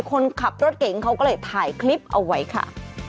คนขับรถเก๋งเขาก็เลยถ่ายคลิปเอาไว้ค่ะ